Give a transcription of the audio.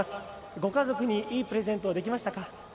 ご家族にいいプレゼントできましたか。